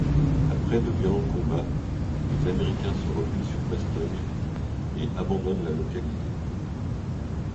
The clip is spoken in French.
Après de violents combats, les Américains se replient sur Bastogne et abandonnent la localité.